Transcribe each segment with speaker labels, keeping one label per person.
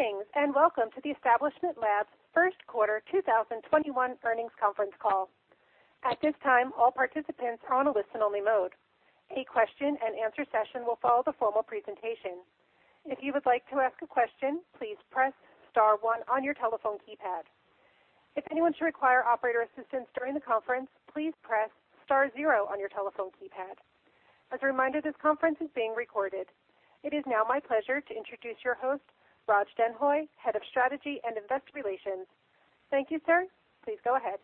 Speaker 1: Greetings, welcome to the Establishment Labs' first quarter 2021 earnings conference call. At this time, all participants are on a listen-only mode. A question and answer session will follow the formal presentation. If you would like to ask a question, please press star one on your telephone keypad. If anyone should require operator assistance during the conference, please press star zero on your telephone keypad. As a reminder, this conference is being recorded. It is now my pleasure to introduce your host, Raj Denhoy, Head of Strategy and Investor Relations. Thank you, sir. Please go ahead.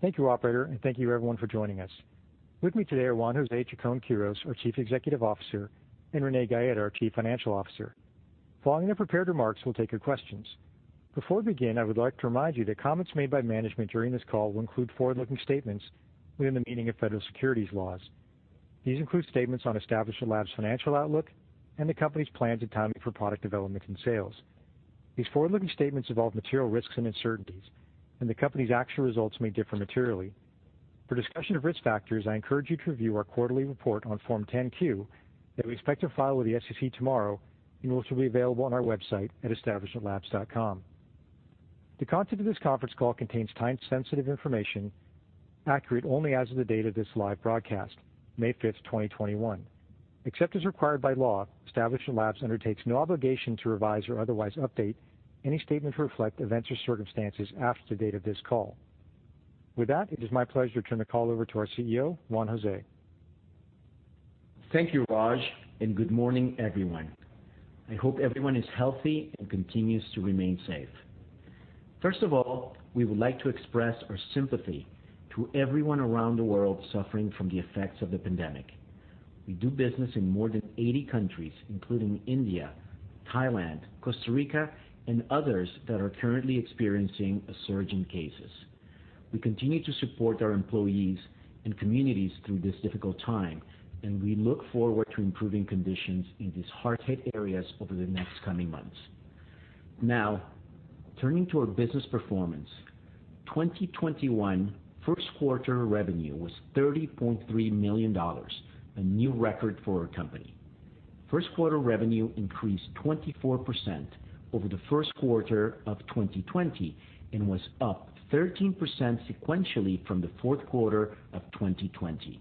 Speaker 2: Thank you, operator, and thank you everyone for joining us. With me today are Juan José Chacón-Quirós, our Chief Executive Officer, and Renee Gaeta, our Chief Financial Officer. Following their prepared remarks, we'll take your questions. Before we begin, I would like to remind you that comments made by management during this call will include forward-looking statements within the meaning of federal securities laws. These include statements on Establishment Labs' financial outlook and the company's plans and timing for product development and sales. These forward-looking statements involve material risks and uncertainties, and the company's actual results may differ materially. For discussion of risk factors, I encourage you to review our quarterly report on Form 10-Q that we expect to file with the SEC tomorrow and which will be available on our website at establishmentlabs.com. The content of this conference call contains time-sensitive information accurate only as of the date of this live broadcast, May 5th, 2021. Except as required by law, Establishment Labs undertakes no obligation to revise or otherwise update any statement to reflect events or circumstances after the date of this call. With that, it is my pleasure to turn the call over to our CEO, Juan José.
Speaker 3: Thank you, Raj, and good morning, everyone. I hope everyone is healthy and continues to remain safe. First of all, we would like to express our sympathy to everyone around the world suffering from the effects of the pandemic. We do business in more than 80 countries, including India, Thailand, Costa Rica, and others that are currently experiencing a surge in cases. We continue to support our employees and communities through this difficult time, and we look forward to improving conditions in these hard-hit areas over the next coming months. Now, turning to our business performance. 2021 First Quarter revenue was $30.3 million, a new record for our company. First Quarter revenue increased 24% over the First Quarter of 2020 and was up 13% sequentially from the Fourth Quarter of 2020.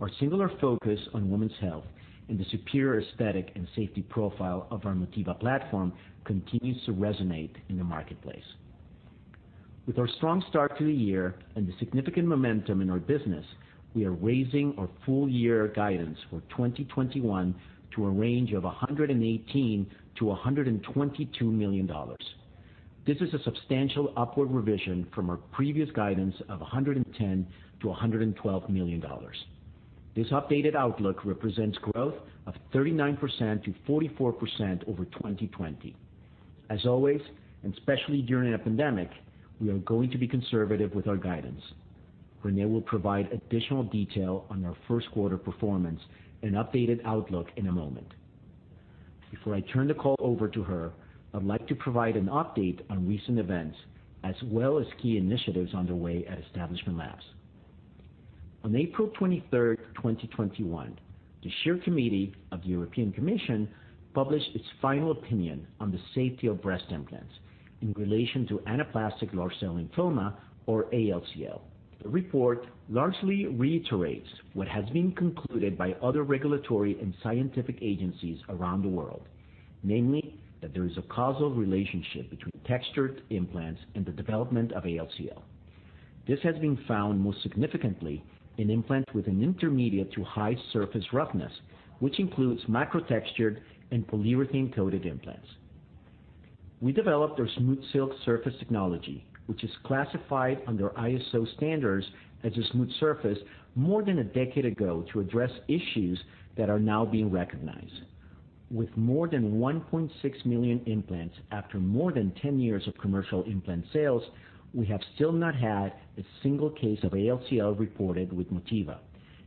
Speaker 3: Our singular focus on women's health and the superior aesthetic and safety profile of our Motiva platform continues to resonate in the marketplace. With our strong start to the year and the significant momentum in our business, we are raising our full year guidance for 2021 to a range of $118 million-$122 million. This is a substantial upward revision from our previous guidance of $110 million-$112 million. This updated outlook represents growth of 39%-44% over 2020. As always, and especially during a pandemic, we are going to be conservative with our guidance. Renee will provide additional detail on our first quarter performance and updated outlook in a moment. Before I turn the call over to her, I'd like to provide an update on recent events as well as key initiatives underway at Establishment Labs. On April 23rd, 2021, the SCHEER Committee of the European Commission published its final opinion on the safety of breast implants in relation to anaplastic large cell lymphoma, or ALCL. The report largely reiterates what has been concluded by other regulatory and scientific agencies around the world, namely that there is a causal relationship between textured implants and the development of ALCL. This has been found most significantly in implants with an intermediate to high surface roughness, which includes macro-textured and polyurethane-coated implants. We developed our SmoothSilk surface technology, which is classified under ISO standards as a smooth surface, more than a decade ago to address issues that are now being recognized. With more than 1.6 million implants after more than 10 years of commercial implant sales, we have still not had a single case of ALCL reported with Motiva,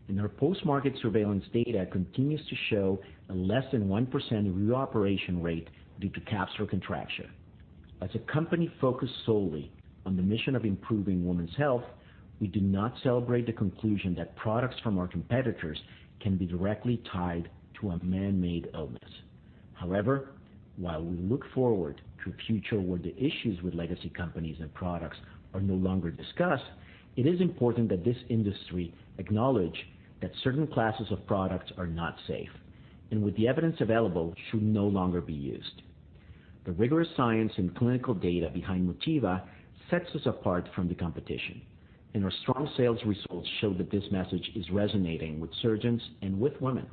Speaker 3: and our post-market surveillance data continues to show a less than 1% reoperation rate due to capsular contracture. As a company focused solely on the mission of improving women's health, we do not celebrate the conclusion that products from our competitors can be directly tied to a man-made illness. However, while we look forward to a future where the issues with legacy companies and products are no longer discussed, it is important that this industry acknowledge that certain classes of products are not safe and with the evidence available, should no longer be used. The rigorous science and clinical data behind Motiva sets us apart from the competition, and our strong sales results show that this message is resonating with surgeons and with women.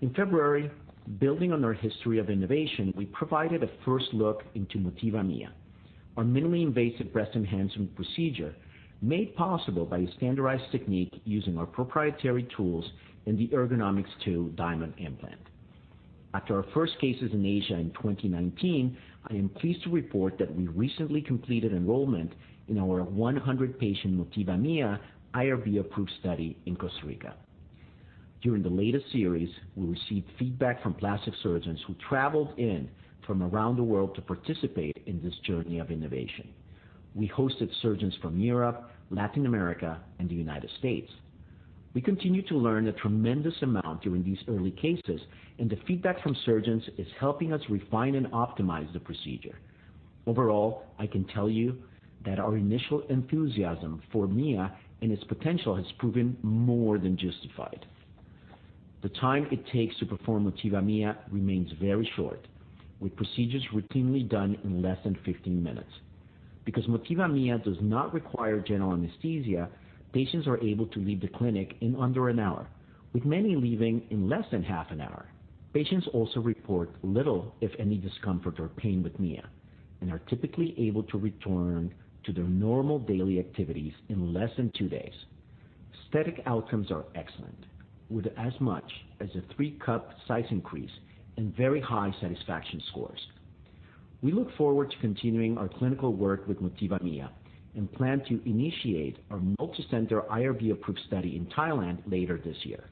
Speaker 3: In February, building on our history of innovation, we provided a first look into Motiva Mia, our minimally invasive breast enhancement procedure made possible by a standardized technique using our proprietary tools and the Ergonomix2 Diamond implant. After our first cases in Asia in 2019, I am pleased to report that we recently completed enrollment in our 100-patient Motiva Mia IRB-approved study in Costa Rica. During the latest series, we received feedback from plastic surgeons who traveled in from around the world to participate in this journey of innovation. We hosted surgeons from Europe, Latin America, and the United States. We continue to learn a tremendous amount during these early cases, and the feedback from surgeons is helping us refine and optimize the procedure. Overall, I can tell you that our initial enthusiasm for Mia and its potential has proven more than justified. The time it takes to perform Motiva Mia remains very short, with procedures routinely done in less than 15 minutes. Because Motiva Mia does not require general anesthesia, patients are able to leave the clinic in under an hour, with many leaving in less than half an hour. Patients also report little, if any, discomfort or pain with Mia and are typically able to return to their normal daily activities in less than two days. Aesthetic outcomes are excellent, with as much as a three-cup size increase and very high satisfaction scores. We look forward to continuing our clinical work with Motiva Mia and plan to initiate our multi-center IRB-approved study in Thailand later this year.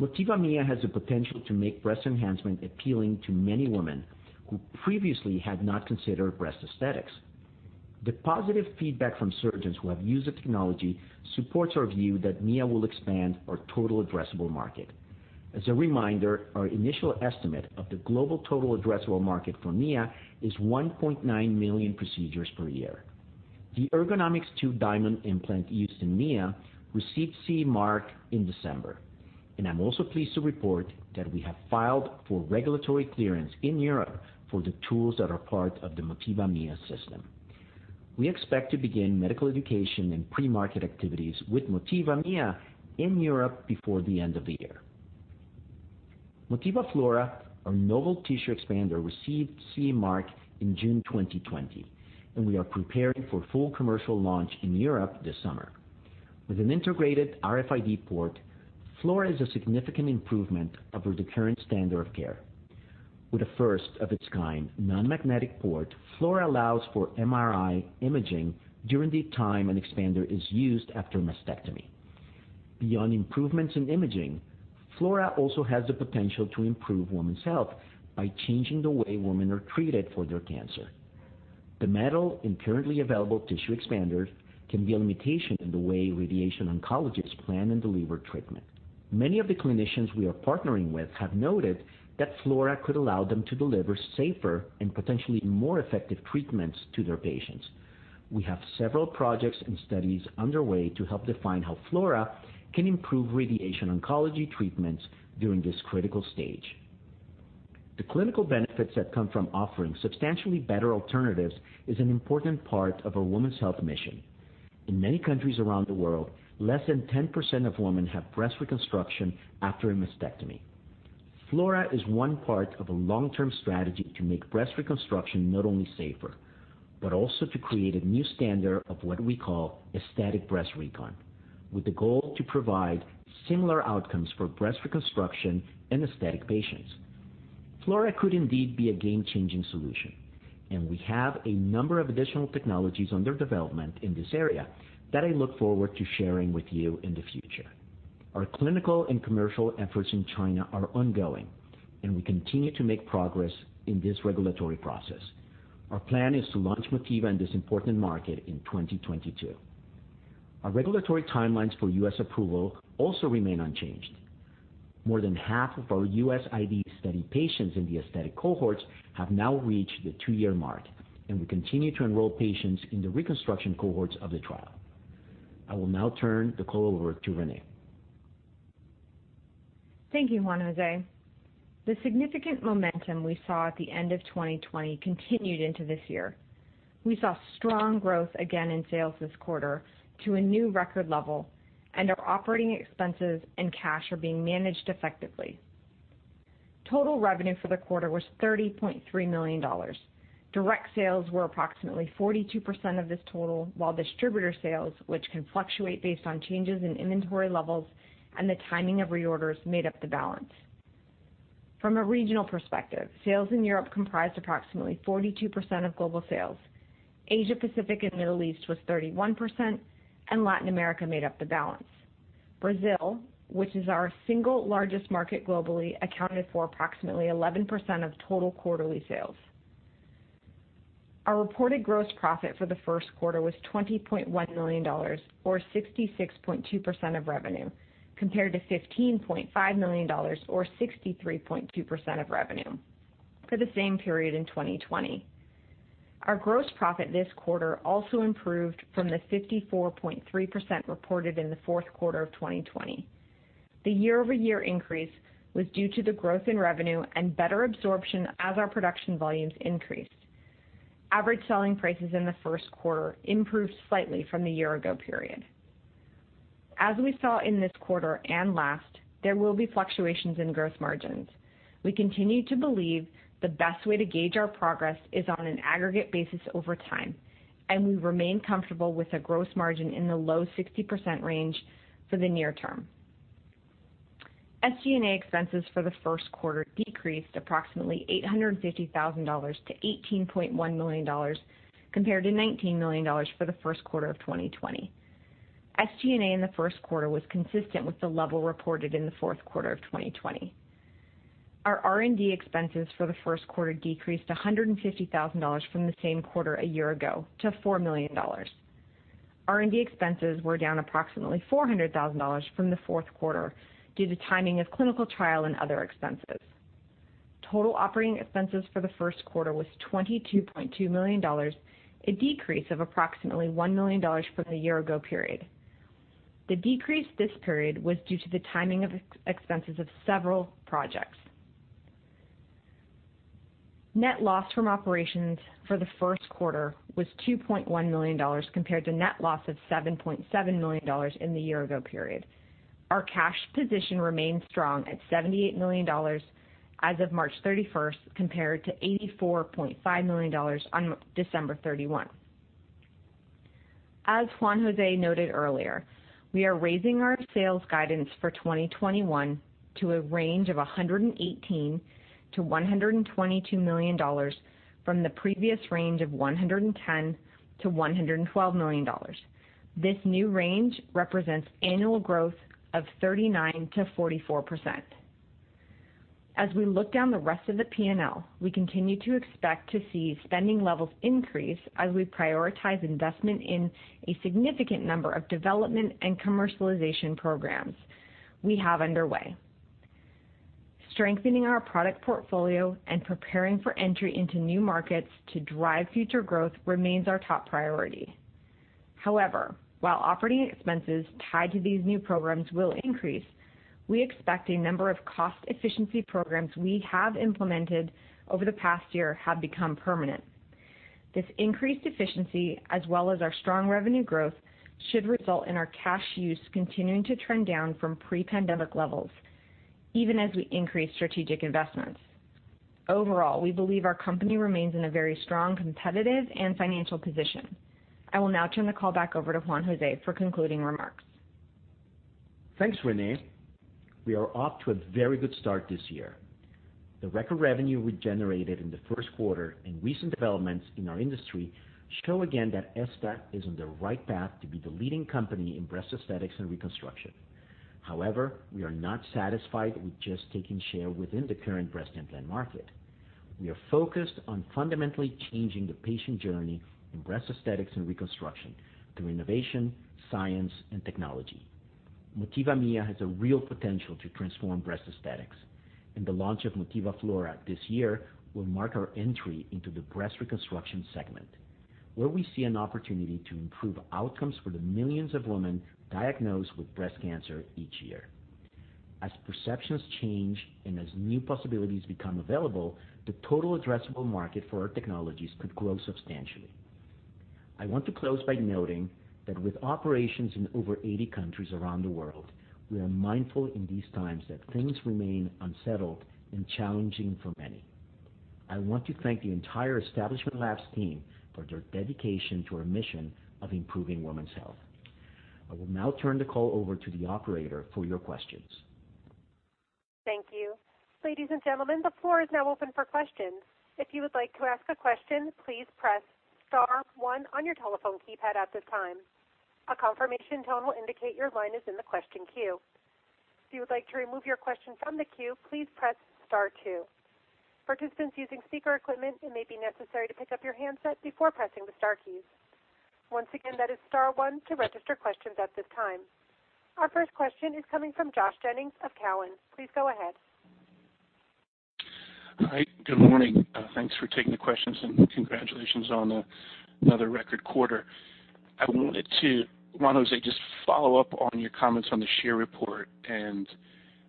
Speaker 3: Motiva Mia has the potential to make breast enhancement appealing to many women who previously had not considered breast aesthetics. The positive feedback from surgeons who have used the technology supports our view that Mia will expand our total addressable market. As a reminder, our initial estimate of the global total addressable market for Mia is 1.9 million procedures per year. The Ergonomix2 Diamond implant used in Mia received CE mark in December, and I'm also pleased to report that we have filed for regulatory clearance in Europe for the tools that are part of the Motiva Mia system. We expect to begin medical education and pre-market activities with Motiva Mia in Europe before the end of the year. Motiva Flora, our novel tissue expander, received CE mark in June 2020, and we are preparing for full commercial launch in Europe this summer. With an integrated RFID port, Flora is a significant improvement over the current standard of care. With a first-of-its-kind non-magnetic port, Flora allows for MRI imaging during the time an expander is used after mastectomy. Beyond improvements in imaging, Flora also has the potential to improve women's health by changing the way women are treated for their cancer. The metal in currently available tissue expanders can be a limitation in the way radiation oncologists plan and deliver treatment. Many of the clinicians we are partnering with have noted that Flora could allow them to deliver safer and potentially more effective treatments to their patients. We have several projects and studies underway to help define how Flora can improve radiation oncology treatments during this critical stage. The clinical benefits that come from offering substantially better alternatives is an important part of our women's health mission. In many countries around the world, less than 10% of women have breast reconstruction after a mastectomy. Flora is one part of a long-term strategy to make breast reconstruction not only safer, but also to create a new standard of what we call aesthetic breast recon, with the goal to provide similar outcomes for breast reconstruction and aesthetic patients. Flora could indeed be a game-changing solution. We have a number of additional technologies under development in this area that I look forward to sharing with you in the future. Our clinical and commercial efforts in China are ongoing. We continue to make progress in this regulatory process. Our plan is to launch Motiva in this important market in 2022. Our regulatory timelines for U.S. approval also remain unchanged. More than half of our U.S. IDE study patients in the aesthetic cohorts have now reached the two-year mark, and we continue to enroll patients in the reconstruction cohorts of the trial. I will now turn the call over to Renee.
Speaker 4: Thank you, Juan José. The significant momentum we saw at the end of 2020 continued into this year. We saw strong growth again in sales this quarter to a new record level. Our operating expenses and cash are being managed effectively. Total revenue for the quarter was $30.3 million. Direct sales were approximately 42% of this total, while distributor sales, which can fluctuate based on changes in inventory levels and the timing of reorders, made up the balance. From a regional perspective, sales in Europe comprised approximately 42% of global sales. Asia-Pacific and Middle East was 31%. Latin America made up the balance. Brazil, which is our single largest market globally, accounted for approximately 11% of total quarterly sales. Our reported gross profit for the first quarter was $20.1 million, or 66.2% of revenue, compared to $15.5 million, or 63.2% of revenue for the same period in 2020. Our gross profit this quarter also improved from the 54.3% reported in the fourth quarter of 2020. The year-over-year increase was due to the growth in revenue and better absorption as our production volumes increased. Average selling prices in the first quarter improved slightly from the year ago period. As we saw in this quarter and last, there will be fluctuations in gross margins. We continue to believe the best way to gauge our progress is on an aggregate basis over time, and we remain comfortable with a gross margin in the low 60% range for the near term. SG&A expenses for the first quarter decreased approximately $850,000 to $18.1 million, compared to $19 million for the first quarter of 2020. SG&A in the first quarter was consistent with the level reported in the fourth quarter of 2020. Our R&D expenses for the first quarter decreased $150,000 from the same quarter a year ago to $4 million. R&D expenses were down approximately $400,000 from the fourth quarter due to timing of clinical trial and other expenses. Total operating expenses for the first quarter was $22.2 million, a decrease of approximately $1 million from the year ago period. The decrease this period was due to the timing of expenses of several projects. Net loss from operations for the first quarter was $2.1 million compared to net loss of $7.7 million in the year ago period. Our cash position remains strong at $78 million as of March 31st, compared to $84.5 million on December 31. As Juan José noted earlier, we are raising our sales guidance for 2021 to a range of $118 million-$122 million from the previous range of $110 million-$112 million. This new range represents annual growth of 39%-44%. As we look down the rest of the P&L, we continue to expect to see spending levels increase as we prioritize investment in a significant number of development and commercialization programs we have underway. Strengthening our product portfolio and preparing for entry into new markets to drive future growth remains our top priority. While operating expenses tied to these new programs will increase, we expect a number of cost efficiency programs we have implemented over the past year have become permanent. This increased efficiency, as well as our strong revenue growth, should result in our cash use continuing to trend down from pre-pandemic levels, even as we increase strategic investments. Overall, we believe our company remains in a very strong, competitive, and financial position. I will now turn the call back over to Juan José for concluding remarks.
Speaker 3: Thanks, Renee. We are off to a very good start this year. The record revenue we generated in the first quarter and recent developments in our industry show again that ESTA is on the right path to be the leading company in breast aesthetics and reconstruction. However, we are not satisfied with just taking share within the current breast implant market. We are focused on fundamentally changing the patient journey in breast aesthetics and reconstruction through innovation, science, and technology. Motiva Mia has a real potential to transform breast aesthetics, and the launch of Motiva Flora this year will mark our entry into the breast reconstruction segment, where we see an opportunity to improve outcomes for the millions of women diagnosed with breast cancer each year. As perceptions change and as new possibilities become available, the total addressable market for our technologies could grow substantially. I want to close by noting that with operations in over 80 countries around the world, we are mindful in these times that things remain unsettled and challenging for many. I want to thank the entire Establishment Labs team for their dedication to our mission of improving women's health. I will now turn the call over to the operator for your questions.
Speaker 1: Thank you. Ladies and gentlemen the floor is now open for questions. If you like to ask a question, please press star one on your telephone keypad at a time. A confirmation tone indicate your line is in the question queue. Do you like to remove your question from the queue please press star two. Our first question is coming from Josh Jennings of Cowen. Please go ahead.
Speaker 5: Hi. Good morning. Thanks for taking the questions, and congratulations on another record quarter. I wanted to, Juan José, just follow up on your comments on the SCHEER report and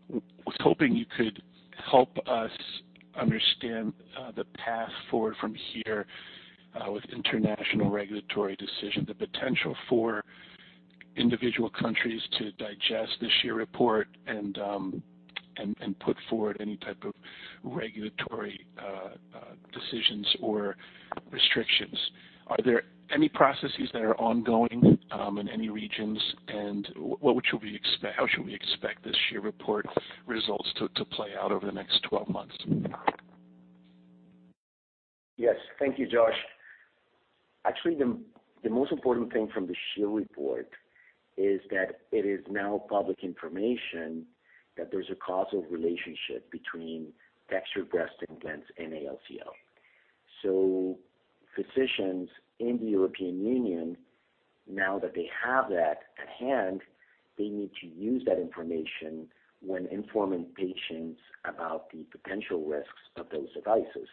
Speaker 5: was hoping you could help us understand the path forward from here with international regulatory decisions, the potential for individual countries to digest the SCHEER report and put forward any type of regulatory decisions or restrictions. Are there any processes that are ongoing in any regions? How should we expect the SCHEER report results to play out over the next 12 months?
Speaker 3: Yes. Thank you, Josh. Actually, the most important thing from the SCHEER report is that it is now public information that there's a causal relationship between textured breast implants and ALCL. Physicians in the European Union, now that they have that at hand, they need to use that information when informing patients about the potential risks of those devices.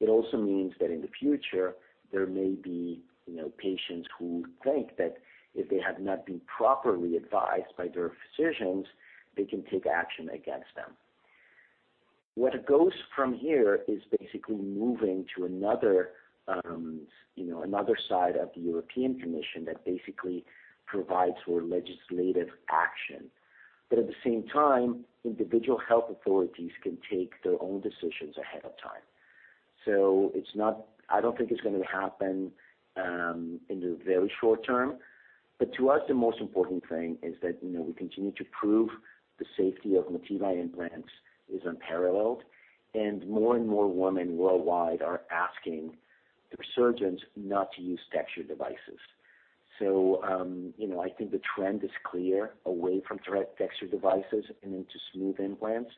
Speaker 3: It also means that in the future, there may be patients who think that if they have not been properly advised by their physicians, they can take action against them. Where it goes from here is basically moving to another side of the European Commission that basically provides for legislative action. At the same time, individual health authorities can take their own decisions ahead of time. I don't think it's going to happen in the very short term. To us, the most important thing is that we continue to prove the safety of Motiva implants is unparalleled, and more and more women worldwide are asking their surgeons not to use textured devices. I think the trend is clear away from textured devices and into smooth implants.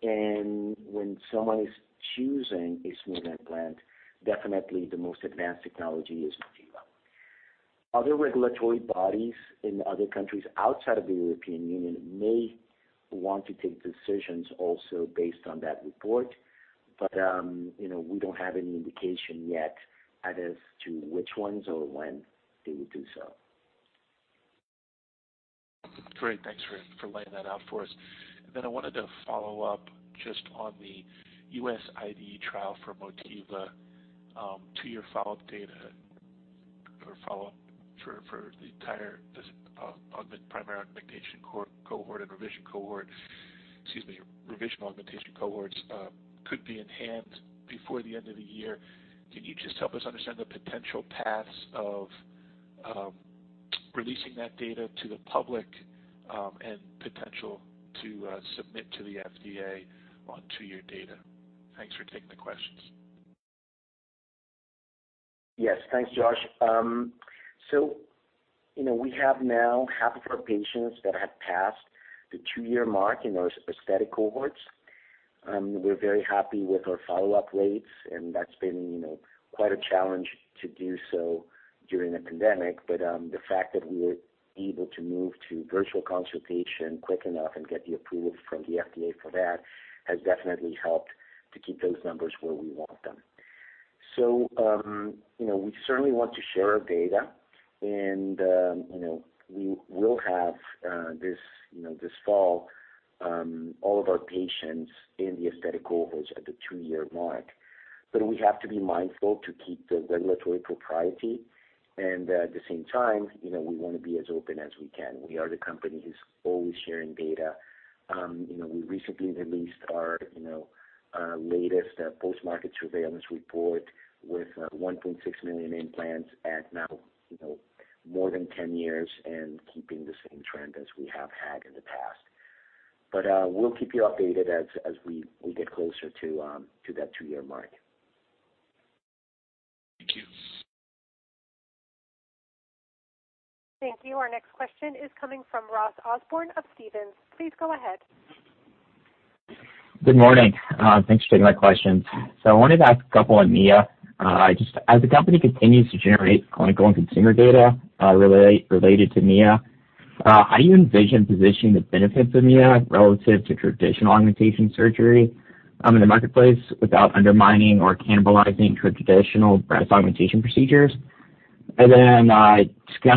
Speaker 3: When someone is choosing a smooth implant, definitely the most advanced technology is Motiva. Other regulatory bodies in other countries outside of the European Union may want to take decisions also based on that report. We don't have any indication yet as to which ones or when they would do so.
Speaker 5: I wanted to follow up just on the U.S. IDE trial for Motiva, two-year follow-up data for the entire primary augmentation cohort and revision augmentation cohorts could be in hand before the end of the year. Can you just help us understand the potential paths of releasing that data to the public, and potential to submit to the FDA on two-year data? Thanks for taking the questions.
Speaker 3: Yes. Thanks, Josh. We have now half of our patients that have passed the two-year mark in our aesthetic cohorts. We're very happy with our follow-up rates, and that's been quite a challenge to do so during the pandemic. The fact that we were able to move to virtual consultation quick enough and get the approval from the FDA for that has definitely helped to keep those numbers where we want them. We certainly want to share our data and we will have this fall, all of our patients in the aesthetic cohorts at the two-year mark. We have to be mindful to keep the regulatory propriety and at the same time, we want to be as open as we can. We are the company who's always sharing data. We recently released our latest post-market surveillance report with 1.6 million implants at now more than 10 years and keeping the same trend as we have had in the past. We'll keep you updated as we get closer to that two-year mark.
Speaker 5: Thank you.
Speaker 1: Thank you. Our next question is coming from Ross Osborn of Stephens. Please go ahead.
Speaker 6: Good morning. Thanks for taking my questions. I wanted to ask a couple on Mia. As the company continues to generate clinical and consumer data related to Mia, how do you envision positioning the benefits of Mia relative to traditional augmentation surgery in the marketplace without undermining or cannibalizing traditional breast augmentation procedures?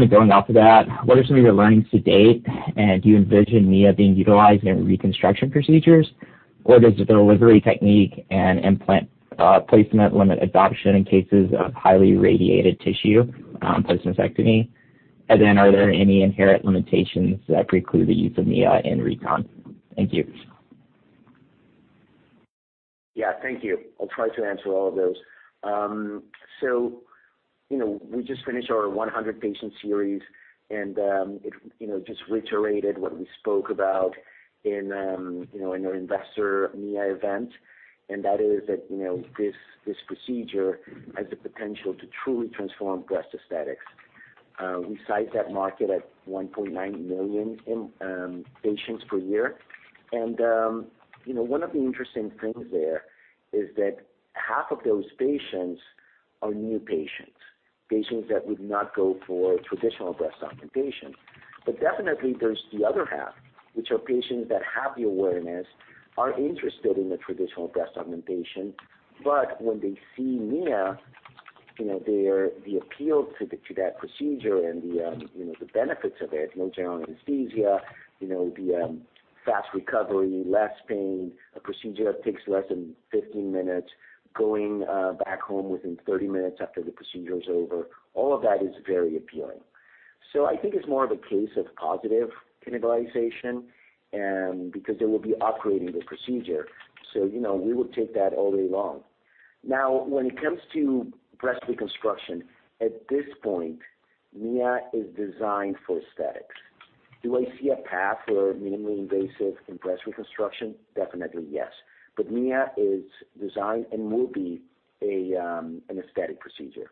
Speaker 6: Going off of that, what are some of your learnings to date? Do you envision Mia being utilized in reconstruction procedures? Does the delivery technique and implant placement limit adoption in cases of highly radiated tissue post-mastectomy? Are there any inherent limitations that preclude the use of Mia in recon? Thank you.
Speaker 3: Yeah, thank you. I'll try to answer all of those. We just finished our 100-patient series, and it just reiterated what we spoke about in our investor Mia event. That is that this procedure has the potential to truly transform breast aesthetics. We size that market at 1.9 million patients per year. One of the interesting things there is that half of those patients are new patients that would not go for traditional breast augmentation. Definitely there's the other half, which are patients that have the awareness, are interested in the traditional breast augmentation, but when they see Mia, the appeal to that procedure and the benefits of it, no general anesthesia, the fast recovery, less pain, a procedure that takes less than 15 minutes, going back home within 30 minutes after the procedure is over, all of that is very appealing. I think it's more of a case of positive cannibalization because they will be upgrading the procedure. We would take that all day long. When it comes to breast reconstruction, at this point, Mia is designed for aesthetics. Do I see a path for minimally invasive in breast reconstruction? Definitely, yes. Mia is designed and will be an aesthetic procedure.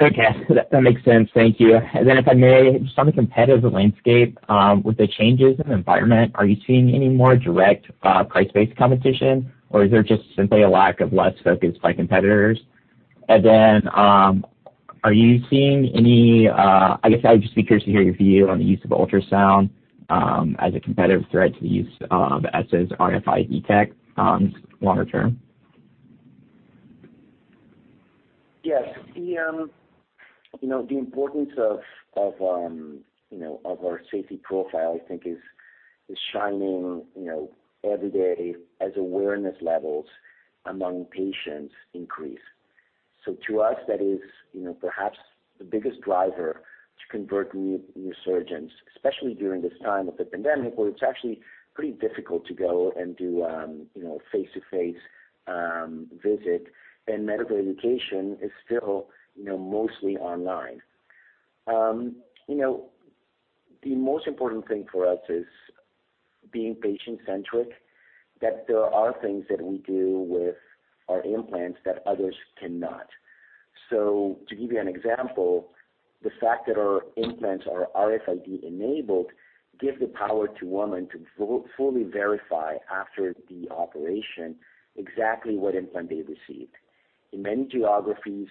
Speaker 6: Okay. That makes sense. Thank you. Then if I may, just on the competitive landscape, with the changes in environment, are you seeing any more direct price-based competition? Or is there just simply a lack of less focus by competitors? Then, I guess I would just be curious to hear your view on the use of ultrasound as a competitive threat to the use of SS RFID tech longer term.
Speaker 3: Yes. The importance of our safety profile, I think is shining every day as awareness levels among patients increase. To us, that is perhaps the biggest driver to convert new surgeons, especially during this time of the pandemic, where it's actually pretty difficult to go and do face-to-face visit, and medical education is still mostly online. The most important thing for us is being patient-centric, that there are things that we do with our implants that others cannot. To give you an example, the fact that our implants are RFID-enabled gives the power to women to fully verify after the operation exactly what implant they received. In many geographies,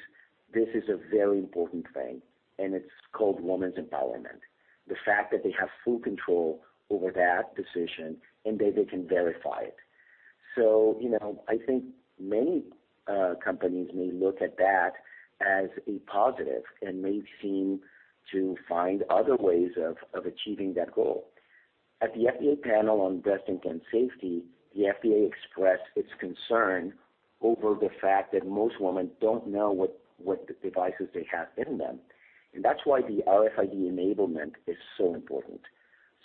Speaker 3: this is a very important thing, and it's called women's empowerment. The fact that they have full control over that decision, and they can verify it. I think many companies may look at that as a positive and may seem to find other ways of achieving that goal. At the FDA panel on breast implant safety, the FDA expressed its concern over the fact that most women don't know what devices they have in them, and that's why the RFID enablement is so important.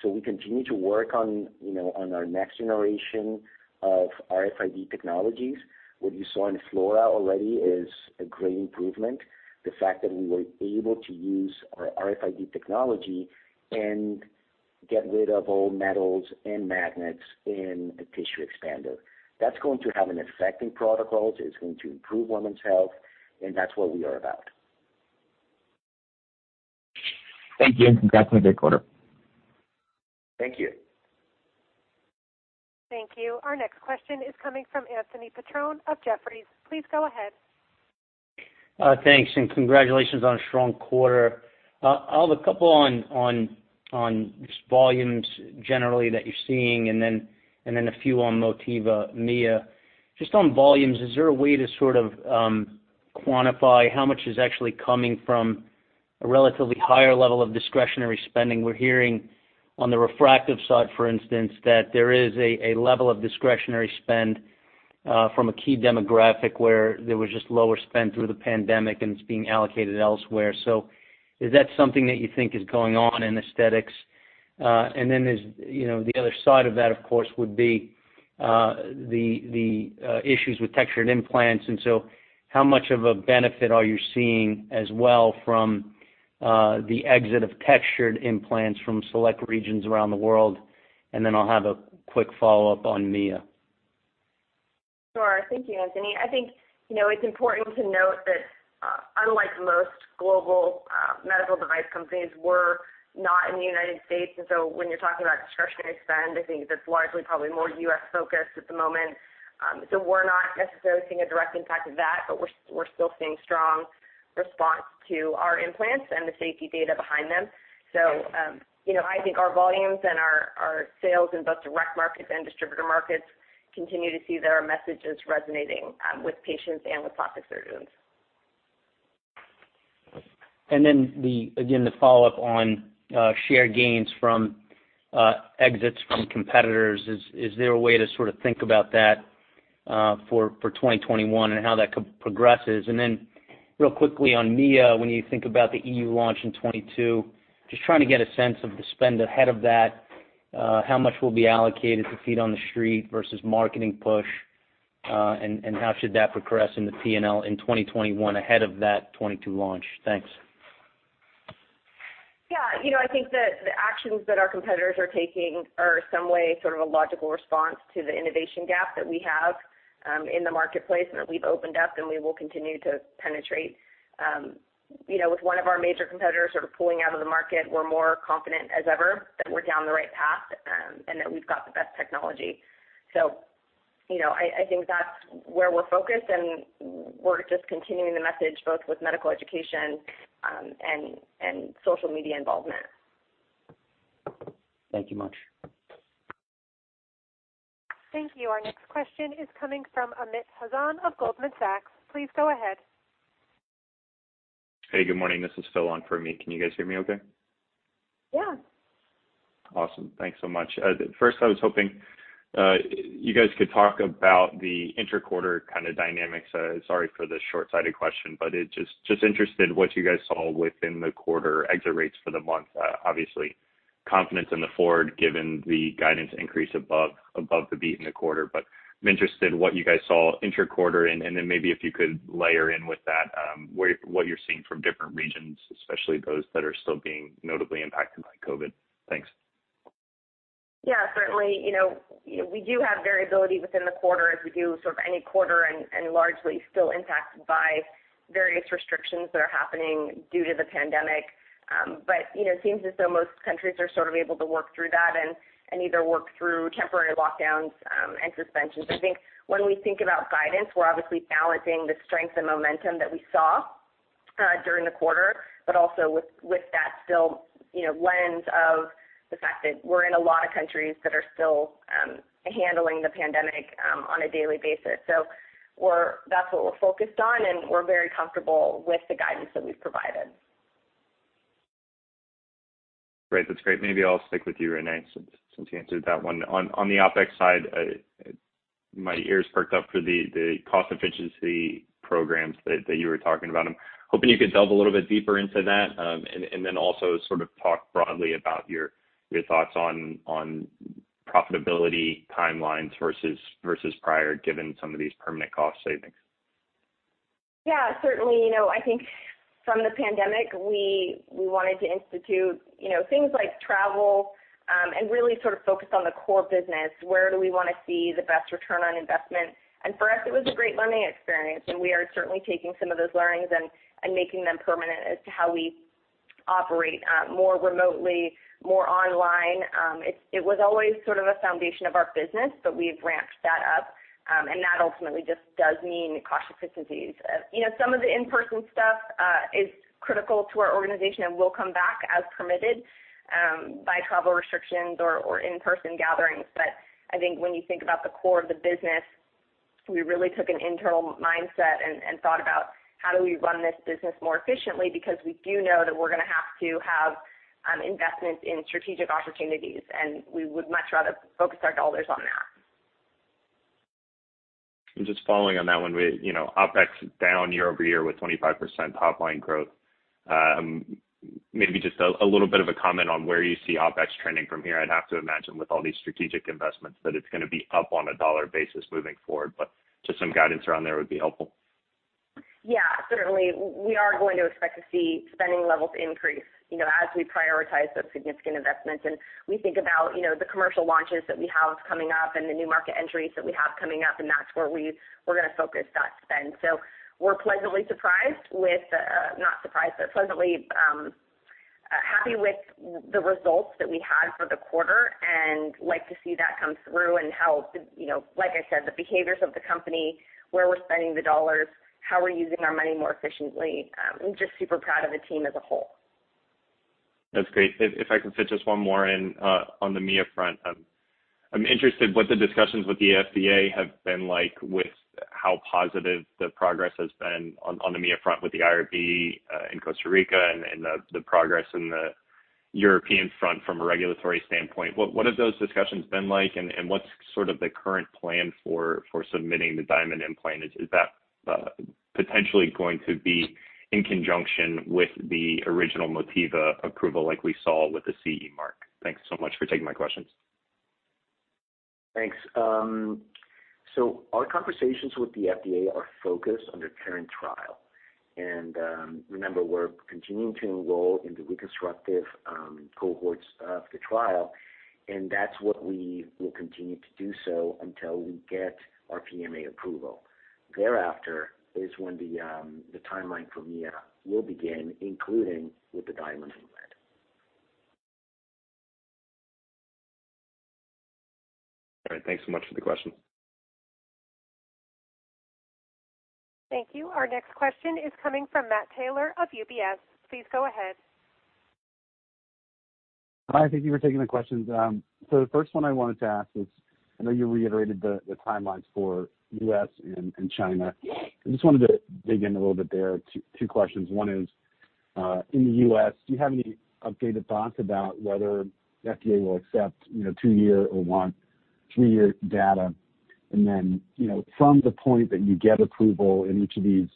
Speaker 3: We continue to work on our next generation of RFID technologies. What you saw in Flora already is a great improvement. The fact that we were able to use our RFID technology and get rid of all metals and magnets in a tissue expander, that's going to have an effect in protocols. It's going to improve women's health, and that's what we are about.
Speaker 6: Thank you, and congratulations on a great quarter.
Speaker 3: Thank you.
Speaker 1: Thank you. Our next question is coming from Anthony Petrone of Jefferies. Please go ahead.
Speaker 7: Thanks. Congratulations on a strong quarter. I have a couple on just volumes generally that you're seeing and then a few on Motiva Mia. Just on volumes, is there a way to sort of quantify how much is actually coming from a relatively higher level of discretionary spending? We're hearing on the refractive side, for instance, that there is a level of discretionary spend from a key demographic where there was just lower spend through the pandemic, and it's being allocated elsewhere. Is that something that you think is going on in aesthetics? There's the other side of that, of course, would be the issues with textured implants. How much of a benefit are you seeing as well from the exit of textured implants from select regions around the world? I'll have a quick follow-up on Mia.
Speaker 4: Sure. Thank you, Anthony. I think it's important to note that unlike most global medical device companies, we're not in the U.S. When you're talking about discretionary spend, I think that's largely, probably more U.S.-focused at the moment. We're not necessarily seeing a direct impact of that, but we're still seeing strong response to our implants and the safety data behind them. I think our volumes and our sales in both direct markets and distributor markets continue to see that our message is resonating with patients and with plastic surgeons.
Speaker 7: Again, the follow-up on share gains from exits from competitors. Is there a way to sort of think about that for 2021 and how that progresses? Real quickly on Mia, when you think about the EU launch in 2022, just trying to get a sense of the spend ahead of that, how much will be allocated to feet on the street versus marketing push? How should that progress in the P&L in 2021 ahead of that 2022 launch? Thanks.
Speaker 4: Yeah. I think that the actions that our competitors are taking are some way sort of a logical response to the innovation gap that we have in the marketplace and that we've opened up and we will continue to penetrate. With one of our major competitors sort of pulling out of the market, we're more confident as ever that we're down the right path and that we've got the best technology. I think that's where we're focused, and we're just continuing the message both with medical education and social media involvement.
Speaker 7: Thank you much.
Speaker 1: Thank you. Our next question is coming from Amit Hazan of Goldman Sachs. Please go ahead.
Speaker 8: Hey, good morning. This is still on for me. Can you guys hear me okay?
Speaker 4: Yeah.
Speaker 8: Awesome. Thanks so much. I was hoping you guys could talk about the inter-quarter kind of dynamics. Sorry for the short-sighted question, just interested what you guys saw within the quarter, exit rates for the month, obviously confidence in the forward given the guidance increase above the beat in the quarter. I'm interested what you guys saw inter-quarter and then maybe if you could layer in with that what you're seeing from different regions, especially those that are still being notably impacted by COVID. Thanks.
Speaker 4: Yeah, certainly, we do have variability within the quarter as we do sort of any quarter and largely still impacted by various restrictions that are happening due to the pandemic. It seems as though most countries are sort of able to work through that and either work through temporary lockdowns and suspensions. I think when we think about guidance, we're obviously balancing the strength and momentum that we saw during the quarter, but also with that still lens of the fact that we're in a lot of countries that are still handling the pandemic on a daily basis. That's what we're focused on, and we're very comfortable with the guidance that we've provided.
Speaker 8: Great. That's great. Maybe I'll stick with you, Renee, since you answered that one. On the OpEx side, my ears perked up for the cost efficiency programs that you were talking about. I'm hoping you could delve a little bit deeper into that, and then also sort of talk broadly about your thoughts on profitability timelines versus prior, given some of these permanent cost savings.
Speaker 4: Yeah, certainly. I think from the pandemic, we wanted to institute things like travel, and really sort of focus on the core business. Where do we want to see the best return on investment? For us, it was a great learning experience, and we are certainly taking some of those learnings and making them permanent as to how we operate more remotely, more online. It was always sort of a foundation of our business, but we've ramped that up. That ultimately just does mean cautious efficiencies. Some of the in-person stuff is critical to our organization and will come back as permitted by travel restrictions or in-person gatherings. I think when you think about the core of the business, we really took an internal mindset and thought about how do we run this business more efficiently, because we do know that we're going to have to have investments in strategic opportunities, and we would much rather focus our dollars on that.
Speaker 8: Just following on that one, with OpEx down year-over-year with 25% top line growth. Maybe just a little bit of a comment on where you see OpEx trending from here. I'd have to imagine with all these strategic investments that it's going to be up on a dollar basis moving forward, but just some guidance around there would be helpful.
Speaker 4: Yeah, certainly, we are going to expect to see spending levels increase as we prioritize those significant investments and we think about the commercial launches that we have coming up and the new market entries that we have coming up, and that's where we're going to focus that spend. We're pleasantly surprised with Not surprised, but pleasantly happy with the results that we had for the quarter, and like to see that come through and how, like I said, the behaviors of the company, where we're spending the dollars, how we're using our money more efficiently. I'm just super proud of the team as a whole.
Speaker 8: That's great. If I can fit just one more in on the Mia front. I'm interested what the discussions with the FDA have been like, with how positive the progress has been on the Mia front with the IRB in Costa Rica and the progress in the European front from a regulatory standpoint. What have those discussions been like, and what's sort of the current plan for submitting the Diamond implant? Is that potentially going to be in conjunction with the original Motiva approval like we saw with the CE mark? Thanks so much for taking my questions.
Speaker 3: Thanks. Our conversations with the FDA are focused on their current trial. Remember, we're continuing to enroll in the reconstructive cohorts of the trial, and that's what we will continue to do so until we get our PMA approval. Thereafter is when the timeline for Mia will begin, including with the Diamond implant.
Speaker 8: All right. Thanks so much for the question.
Speaker 1: Thank you. Our next question is coming from Matt Taylor of UBS. Please go ahead.
Speaker 9: Hi, thank you for taking the questions. The first one I wanted to ask is, I know you reiterated the timelines for U.S. and China. I just wanted to dig in a little bit there. Two questions. One is, in the U.S., do you have any updated thoughts about whether the FDA will accept two year or want three years data? Then, from the point that you get approval in each of these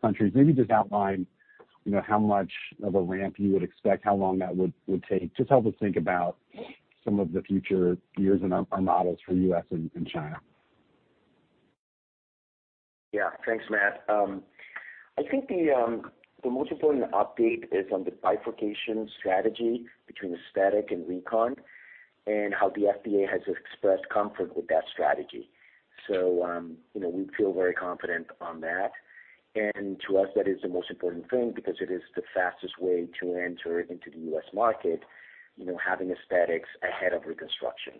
Speaker 9: countries, maybe just outline how much of a ramp you would expect, how long that would take. Just help us think about some of the future years in our models for U.S. and China.
Speaker 3: Thanks, Matt. I think the most important update is on the bifurcation strategy between aesthetic and recon, and how the FDA has expressed comfort with that strategy. We feel very confident on that. To us, that is the most important thing because it is the fastest way to enter into the U.S. market, having aesthetics ahead of reconstruction.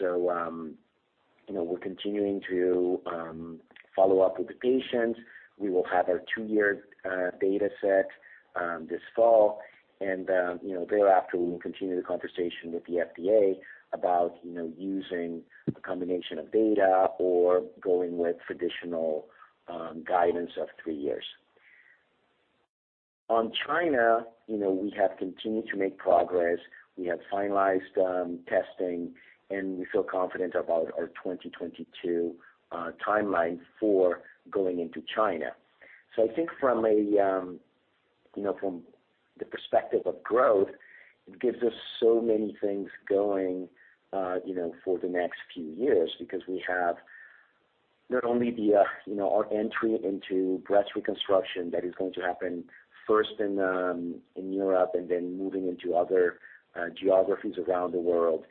Speaker 3: We are continuing to follow up with the patients. We will have our two-year data set this fall, and thereafter, we will continue the conversation with the FDA about using a combination of data or going with traditional guidance of three years. On China, we have continued to make progress. We have finalized testing, and we feel confident about our 2022 timeline for going into China. I think from the perspective of growth, it gives us so many things going for the next few years because we have not only our entry into breast reconstruction that is going to happen first in Europe and then moving into other geographies around the world.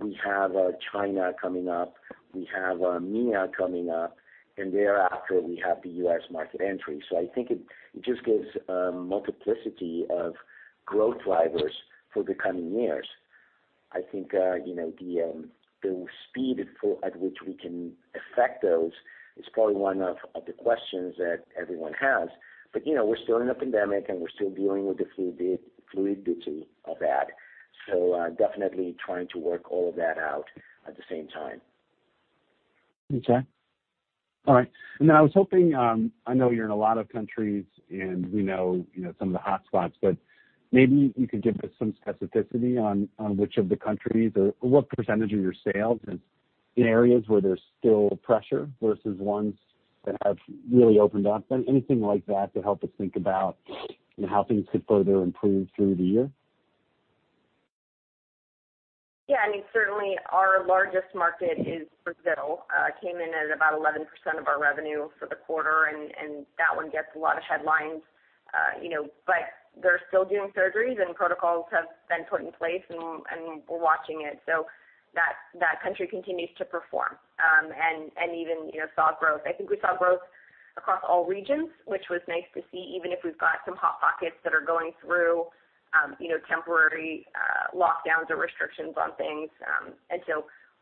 Speaker 3: We have China coming up, we have Mia coming up, and thereafter we have the U.S. market entry. I think it just gives a multiplicity of growth drivers for the coming years. I think the speed at which we can effect those is probably one of the questions that everyone has. We're still in a pandemic and we're still dealing with the fluidity of that, so definitely trying to work all of that out at the same time.
Speaker 9: Okay. All right. I was hoping, I know you're in a lot of countries and we know some of the hotspots, but maybe you could give us some specificity on which of the countries or what percentage of your sales is in areas where there's still pressure versus ones that have really opened up. Anything like that to help us think about how things could further improve through the year.
Speaker 4: Certainly, our largest market is Brazil. Came in at about 11% of our revenue for the quarter. That one gets a lot of headlines. They're still doing surgeries, and protocols have been put in place, and we're watching it. That country continues to perform and even saw growth. I think we saw growth across all regions, which was nice to see, even if we've got some hot pockets that are going through temporary lockdowns or restrictions on things.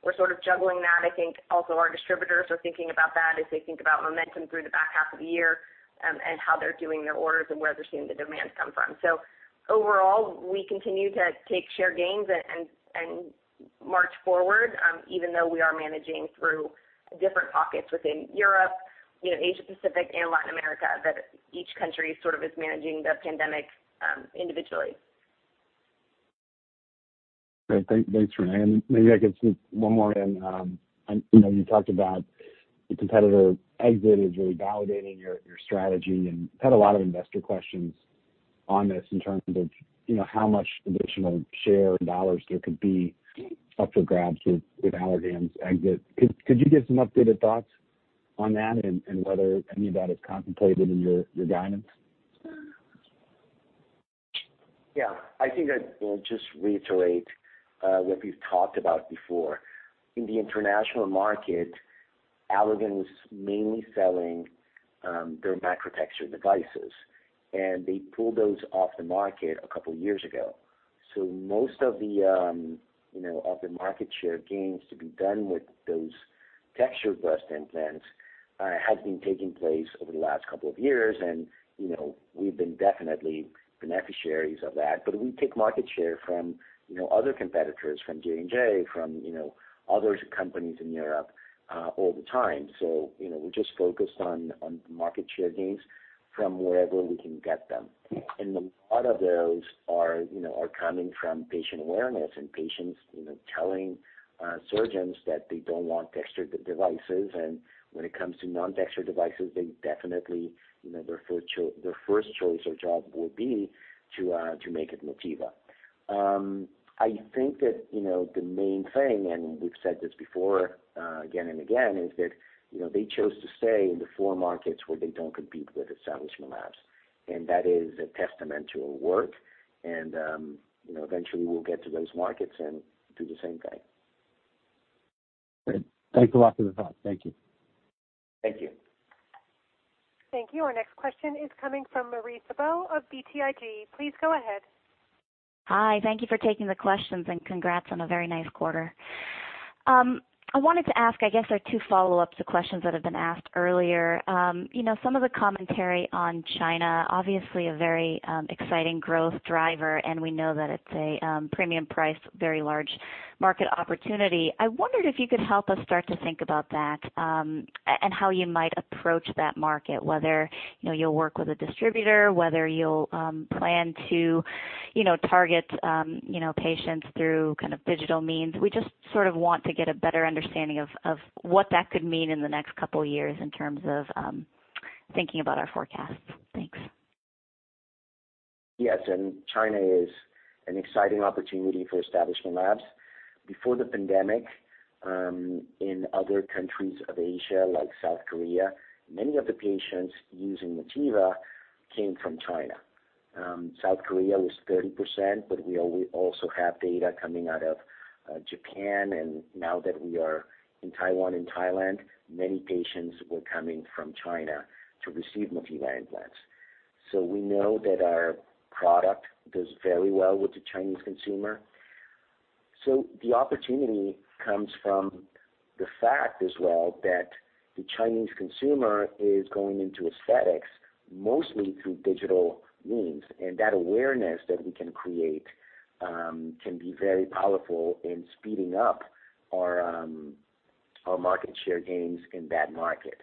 Speaker 4: We're sort of juggling that. I think also our distributors are thinking about that as they think about momentum through the back half of the year and how they're doing their orders and where they're seeing the demand come from. Overall, we continue to take share gains and march forward, even though we are managing through different pockets within Europe, Asia Pacific, and Latin America, that each country sort of is managing the pandemic individually.
Speaker 9: Great. Thanks, Renee. Maybe I could sneak one more in. You talked about the competitor exit is really validating your strategy, and we've had a lot of investor questions on this in terms of how much additional share and dollars there could be up for grabs with Allergan's exit. Could you give some updated thoughts on that and whether any of that is contemplated in your guidance?
Speaker 3: Yeah. I think I will just reiterate what we've talked about before. In the international market, Allergan was mainly selling their macrotexture devices, and they pulled those off the market a couple of years ago. Most of the market share gains to be done with those textured breast implants has been taking place over the last couple of years, and we've been definitely beneficiaries of that. We take market share from other competitors, from J&J, from others companies in Europe all the time. We're just focused on market share gains from wherever we can get them. A lot of those are coming from patient awareness and patients telling surgeons that they don't want textured devices. When it comes to non-textured devices, they definitely, their first choice of job will be to make it Motiva. I think that the main thing, and we've said this before again and again, is that they chose to stay in the four markets where they don't compete with Establishment Labs, and that is a testament to our work, and eventually we'll get to those markets and do the same thing.
Speaker 9: Great. Thanks a lot for the thought. Thank you.
Speaker 3: Thank you.
Speaker 1: Thank you. Our next question is coming from Marie Thibault of BTIG. Please go ahead.
Speaker 10: Hi. Thank you for taking the questions and congrats on a very nice quarter. I wanted to ask, I guess they're two follow-ups to questions that have been asked earlier. Some of the commentary on China, obviously a very exciting growth driver, and we know that it's a premium price, very large market opportunity. I wondered if you could help us start to think about that, and how you might approach that market, whether you'll work with a distributor, whether you'll plan to target patients through kind of digital means. We just sort of want to get a better understanding of what that could mean in the next couple of years in terms of thinking about our forecasts. Thanks.
Speaker 3: Yes. China is an exciting opportunity for Establishment Labs. Before the pandemic, in other countries of Asia, like South Korea, many of the patients using Motiva came from China. South Korea was 30%, but we also have data coming out of Japan, and now that we are in Taiwan and Thailand, many patients were coming from China to receive Motiva implants. We know that our product does very well with the Chinese consumer. The opportunity comes from the fact as well that the Chinese consumer is going into aesthetics mostly through digital means, and that awareness that we can create can be very powerful in speeding up our market share gains in that market.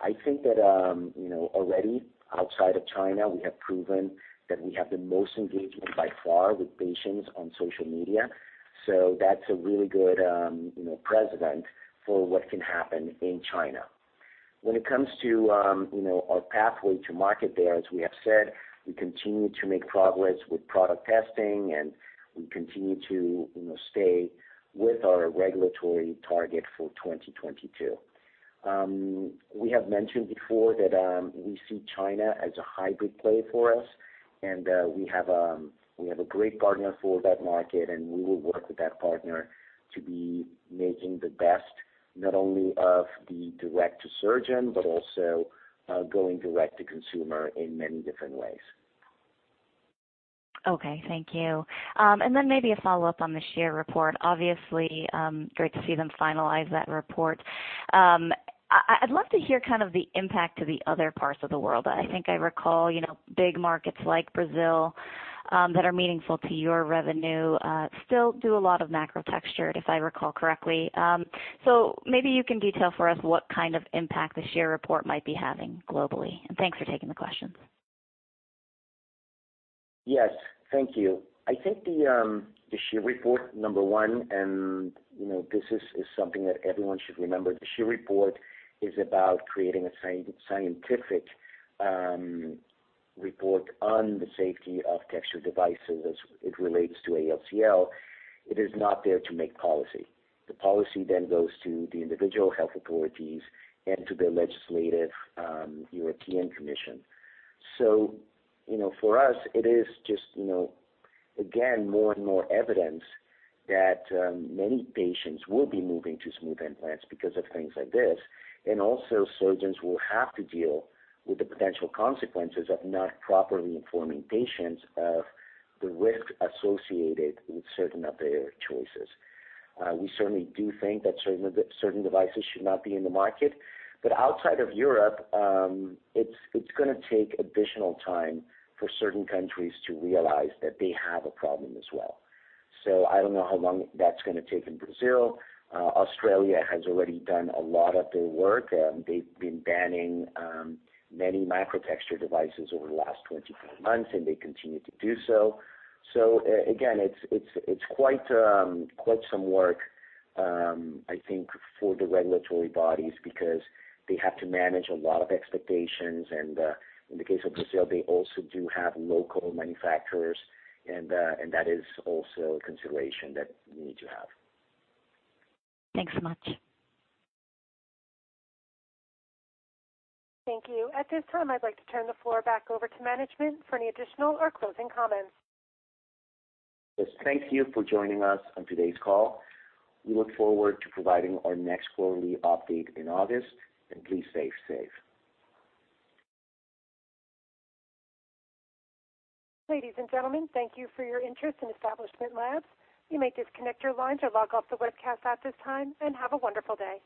Speaker 3: I think that already outside of China, we have proven that we have the most engagement by far with patients on social media. That's a really good precedent for what can happen in China. When it comes to our pathway to market there, as we have said, we continue to make progress with product testing, and we continue to stay with our regulatory target for 2022. We have mentioned before that we see China as a hybrid play for us, and we have a great partner for that market, and we will work with that partner to be making the best, not only of the direct-to-surgeon, but also going direct to consumer in many different ways.
Speaker 10: Okay. Thank you. Then maybe a follow-up on the SCHEER report. Obviously, great to see them finalize that report. I'd love to hear kind of the impact to the other parts of the world. I think I recall big markets like Brazil that are meaningful to your revenue still do a lot of macrotexture, if I recall correctly. Maybe you can detail for us what kind of impact the SCHEER report might be having globally. Thanks for taking the questions.
Speaker 3: Yes. Thank you. I think the SCHEER report, number one. This is something that everyone should remember. The SCHEER report is about creating a scientific report on the safety of textured devices as it relates to ALCL. It is not there to make policy. The policy goes to the individual health authorities and to the legislative European Commission. For us, it is just, again, more and more evidence that many patients will be moving to smooth implants because of things like this. Also surgeons will have to deal with the potential consequences of not properly informing patients of the risk associated with certain of their choices. We certainly do think that certain devices should not be in the market. Outside of Europe, it's going to take additional time for certain countries to realize that they have a problem as well. I don't know how long that's going to take in Brazil. Australia has already done a lot of their work. They've been banning many microtexture devices over the last 24 months, and they continue to do so. Again, it's quite some work, I think, for the regulatory bodies because they have to manage a lot of expectations and, in the case of Brazil, they also do have local manufacturers, and that is also a consideration that we need to have.
Speaker 10: Thanks so much.
Speaker 1: Thank you. At this time, I'd like to turn the floor back over to management for any additional or closing comments.
Speaker 3: Yes. Thank you for joining us on today's call. We look forward to providing our next quarterly update in August, and please stay safe.
Speaker 1: Ladies and gentlemen, thank you for your interest in Establishment Labs. You may disconnect your lines or log off the webcast at this time, and have a wonderful day.